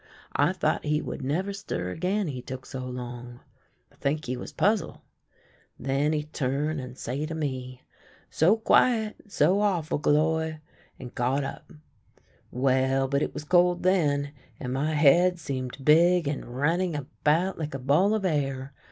I thought he would never stir again, he look so long. I think he was puzzle. Then he turn and say to me :' So quiet, so awful, Galloir !' and got up. Well, but it was cold then, and my head seemed big and running about like a ball of air.